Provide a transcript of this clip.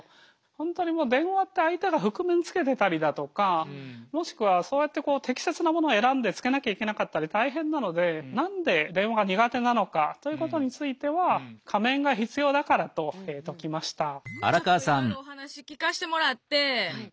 本当にもう電話って相手が覆面つけてたりだとかもしくはそうやってこう適切なものを選んでつけなきゃいけなかったり大変なので何で電話が苦手なのかということについては「仮面が必要だから」と解きました。